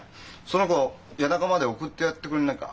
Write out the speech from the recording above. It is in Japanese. その子谷中まで送ってやってくれないか？